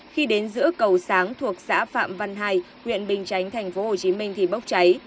khi đến giữa cầu sáng thuộc xã phạm văn hai huyện bình chánh tp hcm thì bốc cháy